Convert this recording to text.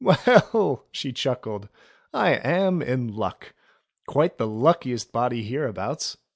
"Well !" she chuckled, "I am in luck ! Quite the luckiest body hereabouts.